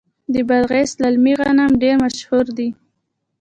د بادغیس للمي غنم ډیر مشهور دي.